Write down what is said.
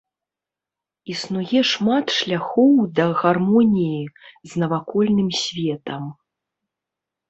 Існуе шмат шляхоў да гармоніі з навакольным светам.